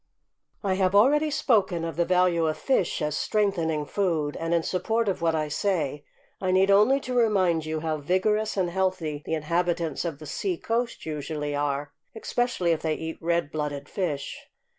I have already spoken of the value of fish as strengthening food, and in support of what I say I need only to remind you how vigorous and healthy the inhabitants of the sea coast usually are, especially if they eat red blooded fish.